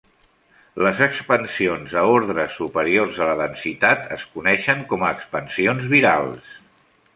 Les expansions a ordres superiors a la densitat es coneixen com a expansions virals.